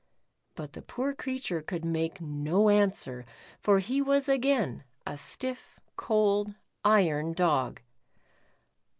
But the poor creature could make no answer, for he was again a stiff, cold, iron Dog.